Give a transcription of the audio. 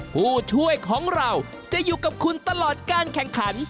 ผู้ช่วยของเราจะอยู่กับคุณตลอดการแข่งขัน